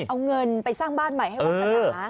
เอาเงินไปสร้างบ้านใหม่ให้วาสนา